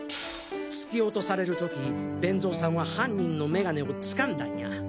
突き落とされる時勉造さんは犯人の眼鏡を掴んだんや！